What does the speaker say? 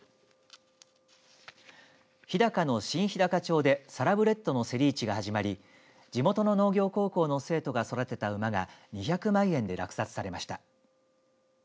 日高の新ひだか町でサラブレッドの競り市が始まり地元の農業高校の生徒が育てた馬が２００万円で落札されました。